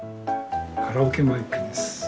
カラオケマイクです。